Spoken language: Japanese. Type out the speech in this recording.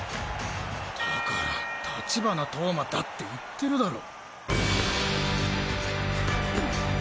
だから立花投馬だって言ってるだろ！？